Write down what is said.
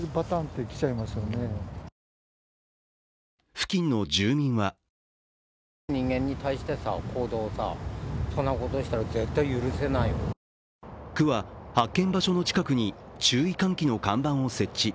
付近の住民は区は発見場所の近くに注意喚起の看板を設置